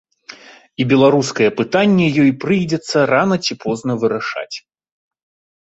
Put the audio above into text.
І беларускае пытанне ёй прыйдзецца рана ці позна вырашаць.